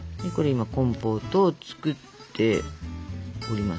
今コンポートを作っております。